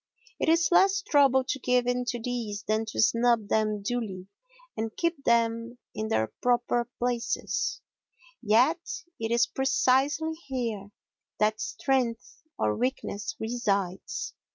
It is less trouble to give in to these than to snub them duly and keep them in their proper places, yet it is precisely here that strength or weakness resides.